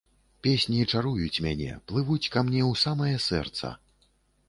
Песні чаруюць мяне, плывуць ка мне ў самае сэрца.